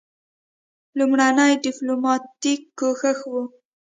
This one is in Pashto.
لومړنی ډیپلوماټیک کوښښ وو.